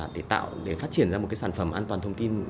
để tạo để phát triển ra một cái sản phẩm an toàn thông tin